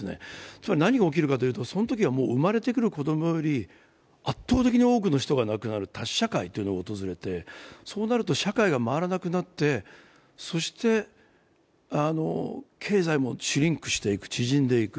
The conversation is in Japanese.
つまり何が起きるかというと、そのときは生まれてくる子どもより圧倒的に多くの人が亡くなる、多死社会というのが訪れて、そうなると社会が回らなくなってそして経済もシュリンクしていく、縮んでいく。